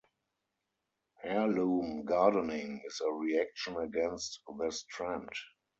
Heirloom gardening is a reaction against this trend.